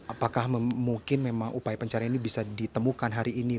apakah mungkin memang upaya pencarian ini bisa ditemukan hari ini